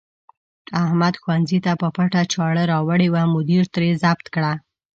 احمد ښوونځي ته په پټه چاړه راوړې وه، مدیر ترې ضبط کړه.